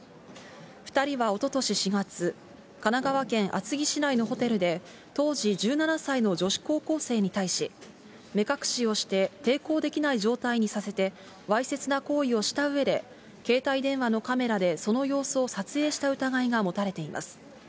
２人はおととし４月、神奈川県厚木市内のホテルで、当時１７歳の女子高校生に対し、目隠しをして、抵抗できない状態にさせて、わいせつな行為をしたうえで、携帯電話のカメラで、その様子を撮影した疑いが持たれています。